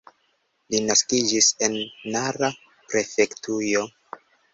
Li naskiĝis en Nara prefektujo.